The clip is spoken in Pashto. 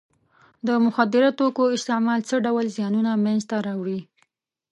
د مخدره توکو استعمال څه ډول زیانونه منځ ته راوړي.